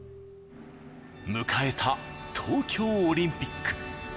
迎えた東京オリンピック。